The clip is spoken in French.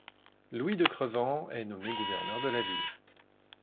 Louis de Crevant est nommé gouverneur de la ville.